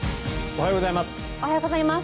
おはようございます。